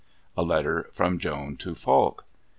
A letter from Joan to Falk.